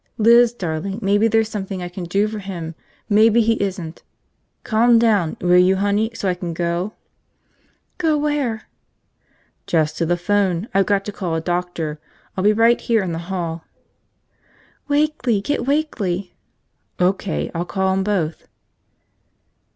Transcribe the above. "Liz, darling, maybe there's something I can do for him, maybe he isn't ... Calm down, will you, honey, so I can go?" "Go where?" "Just to the phone. I've got to call a doctor. I'll be right here in the hall." "Wakeley! Get Wakeley." "O.K., I'll call 'em both."